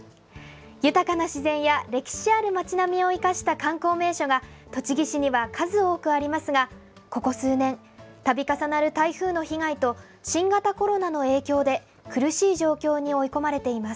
豊かな自然や歴史ある町並みを生かした観光名所が、栃木市には数多くありますが、ここ数年、たび重なる台風の被害と、新型コロナの影響で苦しい状況に追い込まれています。